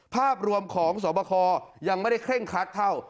ภาพรวมของสวบคยังไม่ได้เคร่งครัดเท่า